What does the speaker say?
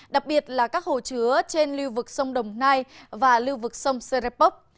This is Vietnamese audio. đặc biệt là các hồ chứa trên lưu vực sông đồng nai và lưu vực sông serepok